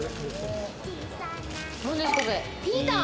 ピータン！